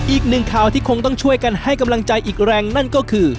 อีกหนึ่งข่าวที่คงต้องช่วยกันให้กำลังใจอีกแรงนั่นก็คือ